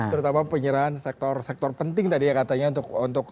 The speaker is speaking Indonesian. terutama penyerahan sektor sektor penting tadi ya katanya untuk